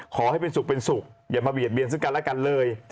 ขอให้เป็นสุขเป็นสุขอย่ามาเบียดเบียนซึ่งกันและกันเลย